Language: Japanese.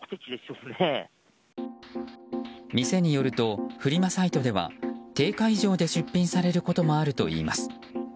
店によるとフリマサイトでは定価以上で出品されることもあるといいます。